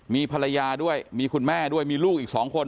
มีภรรยาด้วยมีคุณแม่ด้วยมีลูกอีก๒คน